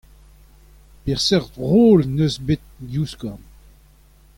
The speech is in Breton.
Peseurt roll en deus bet Divskouarn ?